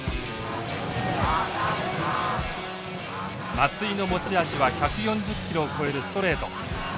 松井の持ち味は１４０キロを超えるストレート。